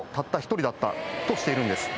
だったとしているんです。